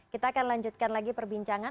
kita akan lanjutkan lagi perbincangan